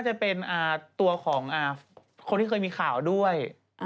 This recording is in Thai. จะเป็นตัวของคนที่เคยมีข่าวด้วย